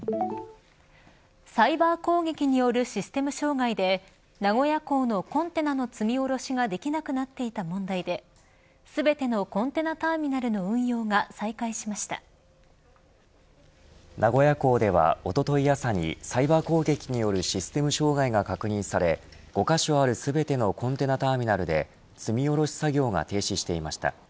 サイバー攻撃によるシステム障害で名古屋港のコンテナの積み降ろしができなくなっていた問題で全てのコンテナターミナルの名古屋港では、おととい朝にサイバー攻撃によるシステム障害が確認され５カ所ある全てのコンテナターミナルで積み下ろし作業が停止していました。